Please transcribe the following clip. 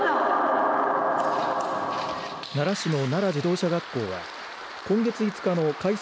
奈良市の奈良自動車学校は今月５日の改正